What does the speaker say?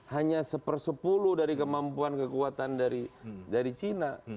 hanya seper sepuluh dari kemampuan kekuatan dari china